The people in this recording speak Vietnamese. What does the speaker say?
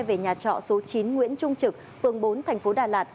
về nhà trọ số chín nguyễn trung trực phường bốn tp đà lạt